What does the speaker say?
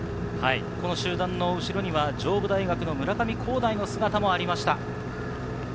この集団の後ろには上武大学・村上航大の姿もありました。